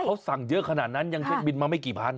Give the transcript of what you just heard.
เขาสั่งเยอะขนาดนั้นยังเช็คบินมาไม่กี่พัน